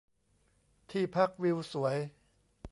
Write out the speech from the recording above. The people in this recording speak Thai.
ที่พักวิวสวย